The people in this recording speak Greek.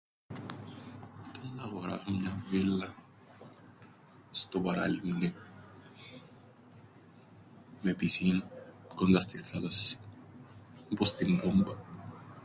Να 'γοράσω μια βίλλαν στο Παραλίμνιν με πισίναν κοντά στην θάλασσαν. Όπως την πόμπαν.